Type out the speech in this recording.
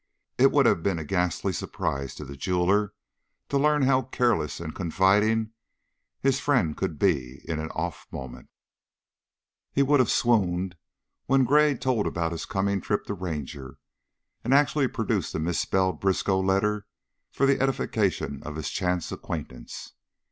It would have been a ghastly surprise to the jeweler to learn how careless and how confiding his friend could be in an off moment; he would have swooned when Gray told about his coming trip to Ranger and actually produced the misspelled Briskow letter for the edification of his chance acquaintance.